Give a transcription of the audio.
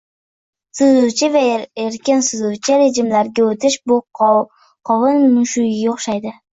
Suzuvchi va erkin suzuvchi rejimlarga o'tish-bu qovun mushugiga o'xshaydi